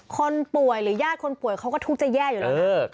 คนป่วยหรือญาติคนป่วยเขาก็ทุกข์จะแย่อยู่แล้วนะ